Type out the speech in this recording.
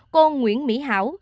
cô nguyễn mỹ hảo